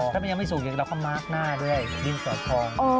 ถ้ามันยังไม่สุกอย่างเราก็มาร์คหน้าด้วยดินสอดทอง